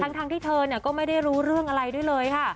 ทั้งที่เธอก็ไม่ได้รู้เรื่องอะไรด้วยเลยค่ะ